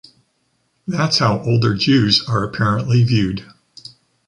That’s how older Jews are apparently viewed.